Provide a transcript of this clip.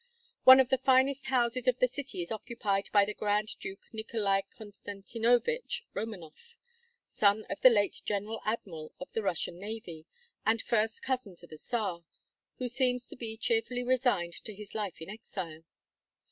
One of the finest houses of the city is occupied by the Grand Duke Nicholai Constantinovitch Romanoff, son of the late general admiral of the Russian navy, and first cousin to the Czar, who seems to be cheerfully resigned to his life in exile.